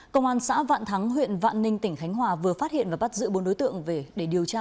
công an xã vạn thắng huyện vạn ninh tỉnh khánh hòa vừa phát hiện và bắt giữ bốn đối tượng về để điều tra